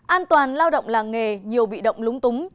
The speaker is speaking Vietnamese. an toàn lao động làng nghề nhiều bị động lúng túng